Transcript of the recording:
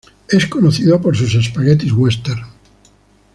Es conocido por sus spaghetti western.